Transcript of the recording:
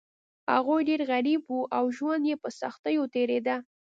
هغوی ډیر غریب وو او ژوند یې په سختیو تیریده.